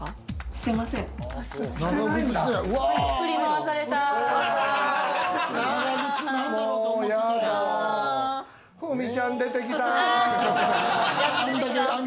してません。